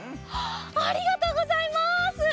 ありがとうございます！